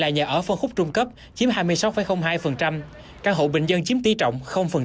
nhà ở phân khúc trung cấp chiếm hai mươi sáu hai căn hộ bình dân chiếm tỷ trọng